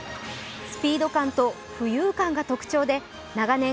スピード感と浮遊感が特徴で長年